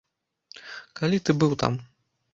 Калі ты быў там?